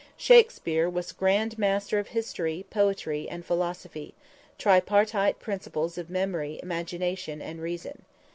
Shakspere was grand master of history, poetry and philosophy tripartite principles of memory, imagination and reason.